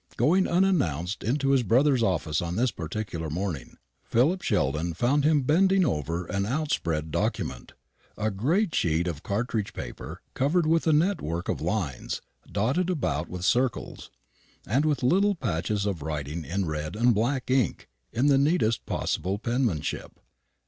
Going unannounced into his brother's office on this particular morning, Philip Sheldon found him bending over an outspread document a great sheet of cartridge paper covered with a net work of lines, dotted about with circles, and with little patches of writing in red and black ink in the neatest possible penmanship.